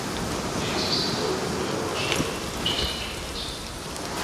Există două probleme majore în această privință.